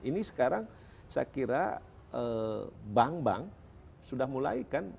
ini sekarang saya kira bank bank sudah mulai kan